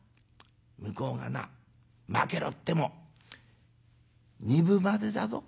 向こうがなまけろっても２分までだぞ。